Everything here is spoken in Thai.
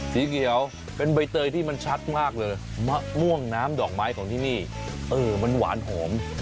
สีเขียวเป็นใบเตยที่มันชัดมากเลยมะม่วงน้ำดอกไม้ของที่นี่เออมันหวานหอม